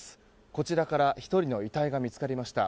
こちらから１人の遺体が見つかりました。